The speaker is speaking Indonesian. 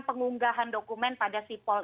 pengunggahan dokumen pada sipol